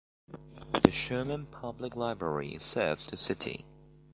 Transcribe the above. The Sherman Public Library serves the city.